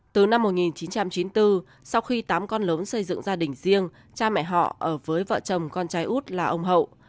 từ năm một nghìn chín trăm chín mươi bốn sau khi tám con lớn xây dựng gia đình riêng cha mẹ họ ở với vợ chồng con trai út là ông hậu